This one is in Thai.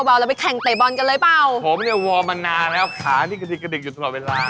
ผมเนี่ยวอลมานานแล้วค่ะนี่กระดิกอยู่ตลอดเวลา